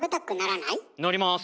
なります。